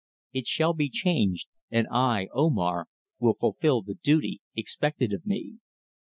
It shall be changed, and I, Omar, will fulfil the duty expected of me."